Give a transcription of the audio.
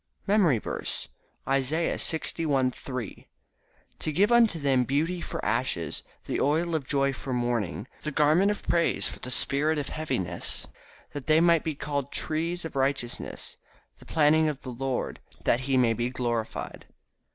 MEMORY VERSE, Isaiah 61: 3 "To give unto them beauty for ashes, the oil of joy for mourning, the garment of praise for the spirit of heaviness; that they might be called trees of righteousness, the planting of the Lord, that he might be glorified."